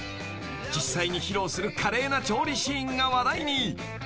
［実際に披露する華麗な調理シーンが話題に］